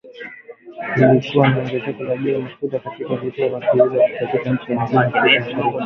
Kulikuwa na ongezeko la bei ya mafuta katika vituo vya kuuzia katika nchi nyingine za Afrika Mashariki.